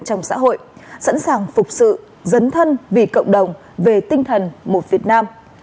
trong xã hội sẵn sàng phục sự dấn thân vì cộng đồng về tinh thần một việt nam